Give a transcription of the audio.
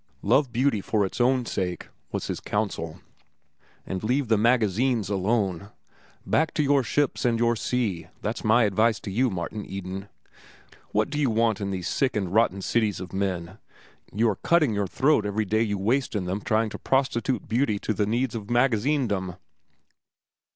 "Love Beauty for its own sake," was his counsel, "and leave the magazines alone. Back to your ships and your sea—that's my advice to you, Martin Eden. What do you want in these sick and rotten cities of men? You are cutting your throat every day you waste in them trying to prostitute beauty to the needs of magazinedom.